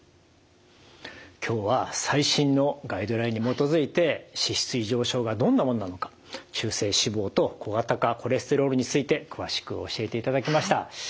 今日は最新のガイドラインに基づいて脂質異常症がどんなもんなのか中性脂肪と小型化コレステロールについて詳しく教えていただきました。